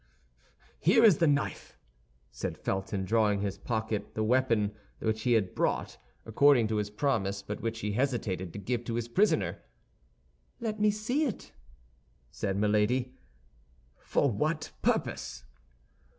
"Here is the knife," said Felton, drawing from his pocket the weapon which he had brought, according to his promise, but which he hesitated to give to his prisoner. "Let me see it," said Milady. "For what purpose?"